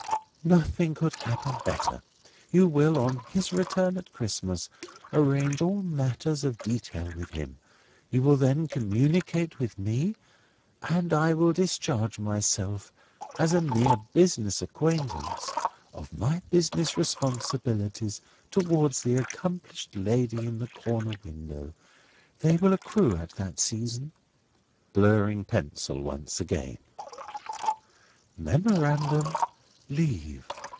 "Nothing could happen better. You will, on his return at Christmas, arrange all matters of detail with him; you will then communicate with me; and I will discharge myself (as a mere business acquaintance) of my business responsibilities towards the accomplished lady in the corner window. They will accrue at that season." Blurring pencil once again. "Memorandum, 'Leave.